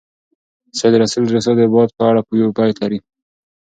سید رسول رسا د باد په اړه یو بیت لري.